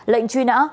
lệnh truy nã